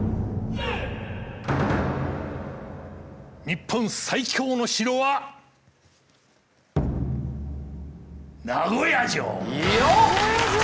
「日本最強の城」は名古屋城！